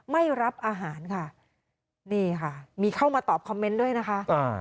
ไม่รับอาหารค่ะนี่ค่ะมีเข้ามาตอบคอมเมนต์ด้วยนะคะอ่า